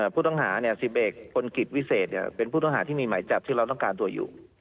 ผู้ต้องหา๑๑คนกิจวิเศษเป็นผู้ต้องหาที่มีหมายจับที่เราต้องการตัวอยู่